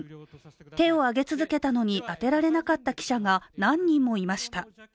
手を挙げ続けたのに当てられなかった記者が何人もいました。